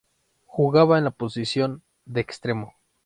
Jugaba en la posición de extremo.